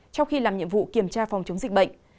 trong khi làm nhiệm vụ kiểm tra phòng chống dịch bệnh